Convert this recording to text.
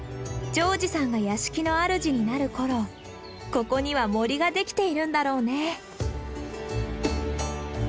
ジョージさんが屋敷の主になる頃ここには森ができているんだろうね。